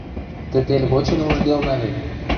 Тӹ тел годшен ужделна вет.